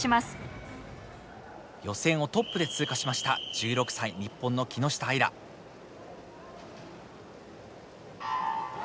予選をトップで通過しました１６歳日本の木下あいら。スタート。